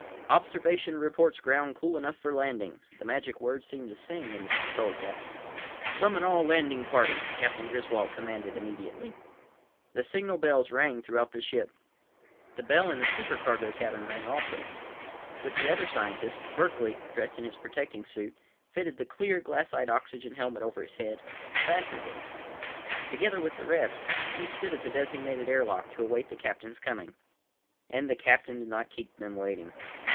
"Observation reports ground cool enough for landing!" The magic words seemed to sing into the control cabin. "Summon all landing party," Captain Griswold commanded immediately. The signal bells rang throughout the ship. The bell in the supercargo cabin rang also. With the other scientists, Berkeley dressed in his protecting suit, fitted the clear glassite oxygen helmet over his head, fastened it. Together with the rest, he stood at the designated airlock to await the captain's coming. And the captain did not keep them waiting.